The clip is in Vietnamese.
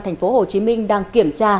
thành phố hồ chí minh đang kiểm tra